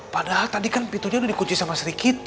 padahal tadi kan pintunya udah dikunci sama sri kitty